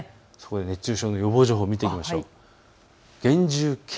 熱中症の予防情報を見ていきましょう。